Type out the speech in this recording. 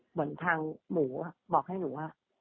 เหมือนทางหมูบอกให้หนูว่า